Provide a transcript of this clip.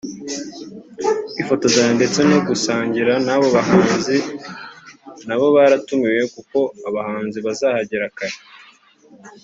kwifotozanya ndetse no gusangira n’abo bahanzi nabo baratumiwe kuko abahanzi bazahagera kare